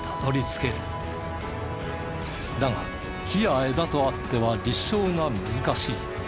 だが木や枝とあっては立証が難しい。